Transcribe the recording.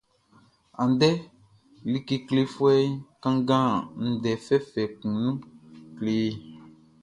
Andɛʼn, like klefuɛʼn kanngan ndɛ fɛfɛ kun nun kle e.